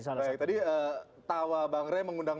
tadi tawa bang rey mengundang